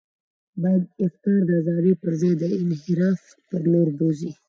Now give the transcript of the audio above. باید افکار د ازادۍ پر ځای د انحراف پر لور بوزي.